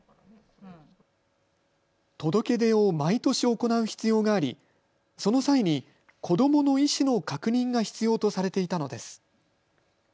届け出を毎年行う必要がありその際に子どもの意思の確認が必要とされていたのです。